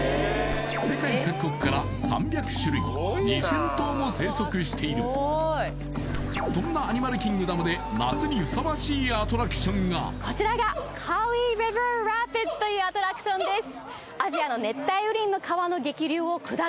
世界各国から３００種類２０００頭も生息しているそんなアニマルキングダムで夏にふさわしいアトラクションがこちらがというアトラクションです